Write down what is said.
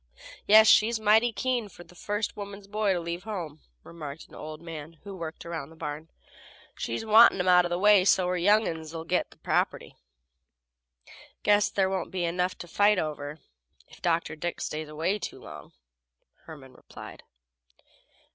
"Yes, she's mighty keen fer the first woman's boys to leave home," remarked an old man who worked around the barn. "She's wantin' 'em out of the way so her young uns 'll git the property." "Guess there won't be enough to fight over if Dr. Dick stays away long," Herman replied.